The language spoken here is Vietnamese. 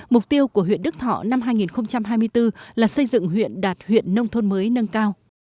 mục tiêu của huyện đức thọ năm hai nghìn hai mươi bốn là xây dựng huyện đạt huyện nông thôn mới nâng cao